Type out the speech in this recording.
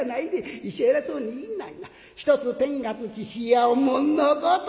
『ひとつてんがつきしやうもんのこと』。